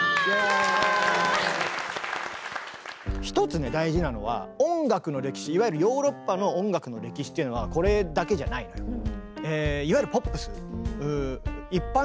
一つね大事なのは音楽の歴史いわゆるヨーロッパの音楽の歴史っていうのはこれだけじゃないのよ。